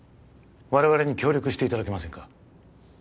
我々に協力していただけませんか